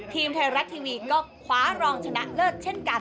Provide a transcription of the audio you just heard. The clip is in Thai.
ไทยรัฐทีวีก็คว้ารองชนะเลิศเช่นกัน